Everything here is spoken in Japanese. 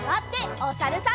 おさるさん。